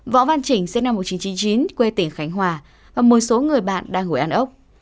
võ văn chỉnh sinh năm một nghìn chín trăm chín mươi chín quê tỉnh khánh hòa và một số người bạn đang ngồi ăn ốc